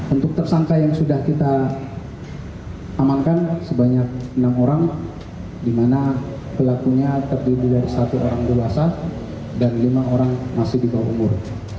untuk tersangka yang sudah kita amankan sebanyak enam orang di mana pelakunya terdiri dari satu orang dewasa dan lima orang masih di bawah umur